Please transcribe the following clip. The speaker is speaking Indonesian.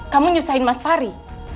kamu nyusahin mas fahri